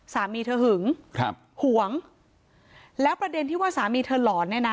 สามีเธอหึงครับห่วงแล้วประเด็นที่ว่าสามีเธอหลอนเนี่ยนะ